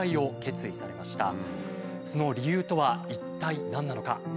その理由とは一体何なのか？